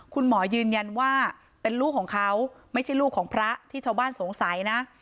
คุณหมอยืนยันว่าเป็นลูกของเขาไม่ใช่ลูกของพระที่ชาวบ้านสงสัยนะ